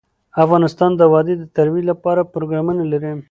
افغانستان د وادي د ترویج لپاره پروګرامونه لري.